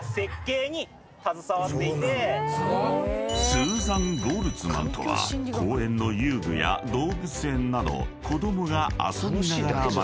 ［スーザン・ゴルツマンとは公園の遊具や動物園など子供が］